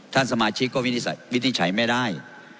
ท่านสมาชิกก็วินิจฉัยไม่ได้